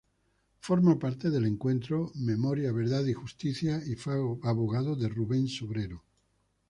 Forma parte del Encuentro Memoria Verdad y Justicia, y fue abogado de Ruben Sobrero.